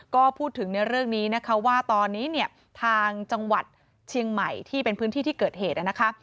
ก็พูดถึงในเรื่องนี้นะคะว่าตอนนี้เนี่ยทางจังหวัดเชียงใหม่ที่เป็นพื้นที่ที่เกิดเหตุนะคะ